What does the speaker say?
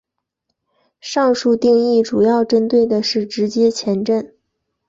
上述定义主要针对的是直接前震。